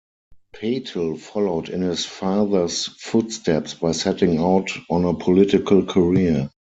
Patel followed in his father's footsteps by setting out on a political career.